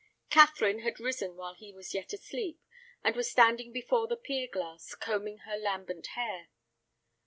Catherine had risen while he was yet asleep, and was standing before the pier glass combing her lambent hair.